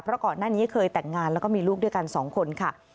เพราะก่อนหน้านี้เคยแต่งงานแล้วก็มีลูกด้วยกัน๒คนค่ะ